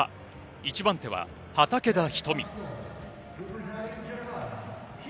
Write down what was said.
１番手は畠田瞳。